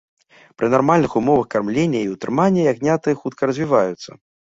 Пры нармальных умовах кармлення і ўтрымання ягняты хутка развіваюцца.